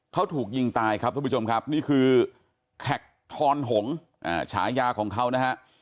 เขาถูกยิงตายครับทุกผู้ชมครับนี่คือแขกทอนหงฉายาของเขานะฮะ